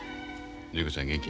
純子ちゃん元気？